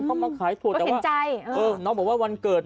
เขามาขายถั่วแต่ว่าน้องบอกว่าวันเกิด